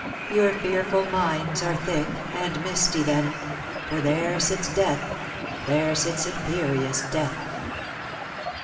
•* Your fearful minds are thick and misty then ; For there sits Death — there sits imperious Death."